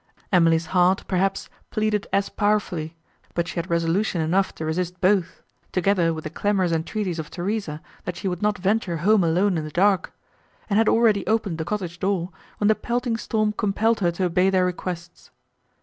Emily's heart, perhaps, pleaded as powerfully, but she had resolution enough to resist both, together with the clamorous entreaties of Theresa, that she would not venture home alone in the dark, and had already opened the cottage door, when the pelting storm compelled her to obey their requests.